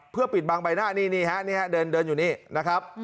เพื่อปิดบังใบหน้านี่ฮะนี่ฮะเดินอยู่นี่นะครับ